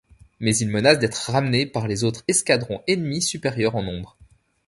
Mais ils menacent d'être ramenés par les autres escadrons ennemis supérieurs en nombres.